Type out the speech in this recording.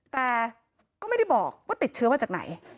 แต่ก็ไม่ได้บอกว่าติดเชื้อมาจากไหน